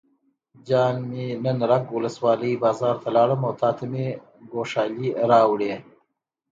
جان مې نن رګ ولسوالۍ بازار ته لاړم او تاته مې ګوښالي راوړې.